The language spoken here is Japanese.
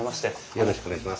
よろしくお願いします。